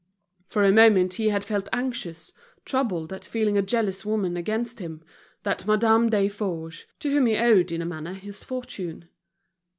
For a moment he had felt anxious, troubled at feeling a jealous woman against him, that Madame Desforges, to whom he owed in a manner his fortune.